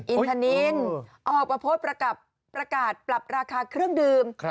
อินทานินออกมาโพสต์ประกาศปรับราคาเครื่องดื่ม